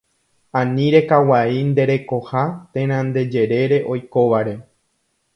Ani rekaguai nde rekoha térã nde jerére oikóvare